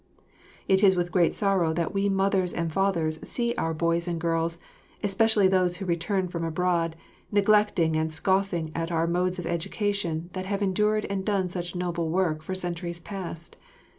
It is with great sorrow that we mothers and fathers see our boys and girls, especially those who return from abroad, neglecting and scoffing at our modes of education that have endured and done such noble work for centuries past.